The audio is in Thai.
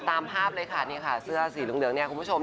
ตามภาพเลยค่ะนี่ค่ะเสื้อสีเหลืองเนี่ยคุณผู้ชม